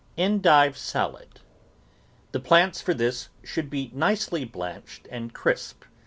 ENDIVE SALAD The plants for this should be nicely blanched and crisp.